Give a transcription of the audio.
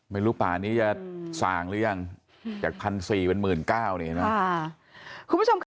ไม่รู้ป่านี่จะสางหรือยังจาก๑๔๐๐บาทเป็น๑๙๐๐๐บาทนี่นะฮะ